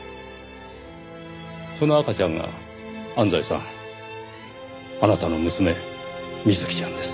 その赤ちゃんが安西さんあなたの娘美月ちゃんです。